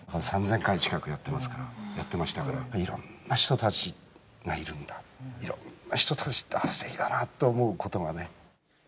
３０００回近くやってましたから、いろんな人たちがいるんだ、いろんな人たちがすてきだなって思うことがね。